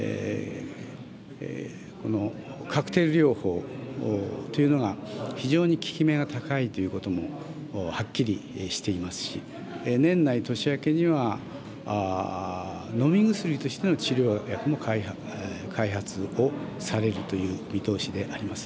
このカクテル療法というのが、非常に効き目が高いということもはっきりしていますし、年内、年明けには、飲み薬としての治療薬も開発をされるという見通しであります。